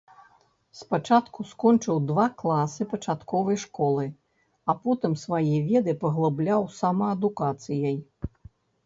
Спачатку скончыў два класы пачатковай школы, а потым свае веды паглыбляў самаадукацыяй.